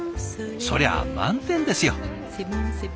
そりゃあ満点ですよ。